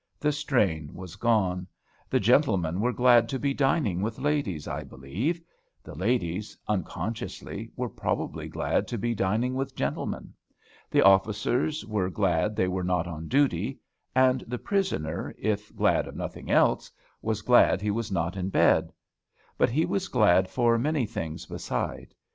The strain was gone. The gentlemen were glad to be dining with ladies, I believe: the ladies, unconsciously, were probably glad to be dining with gentlemen. The officers were glad they were not on duty; and the prisoner, if glad of nothing else, was glad he was not in bed. But he was glad for many things beside.